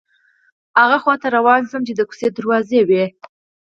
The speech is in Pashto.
هماغه خواته روان شوم چې د کوڅې دروازې وې.